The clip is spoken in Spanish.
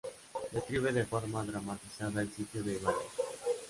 Describe de forma dramatizada el sitio de Baler.